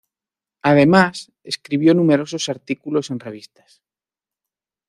Además, escribió numerosos artículos en revistas.